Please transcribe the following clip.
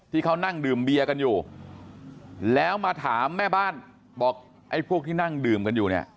ที่เขานั่งดื่มเบียร์กันอยู่แล้วมาถามแม่บ้านบอกไอ้พวกที่นั่งดื่มกันอยู่เนี่ย